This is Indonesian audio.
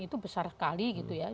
itu besar sekali